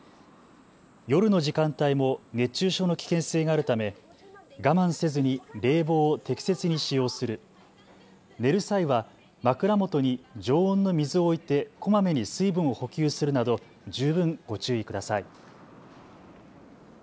夜の時間帯も熱中症の危険性があるため我慢せずに冷房を適切に使用する、寝る際は枕元に常温の水を置いてこまめに水分を補給するなど十分ご注意ください。